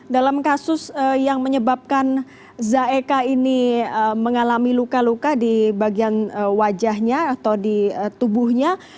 dalam kasus yang menyebabkan zaeka ini mengalami luka luka di bagian wajahnya atau di tubuhnya